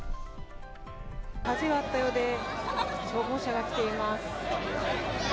火事があったようで、消防車が来ています。